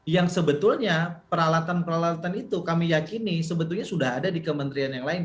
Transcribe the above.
yang sebetulnya peralatan peralatan itu kami yakini sebetulnya sudah ada di kementerian yang lain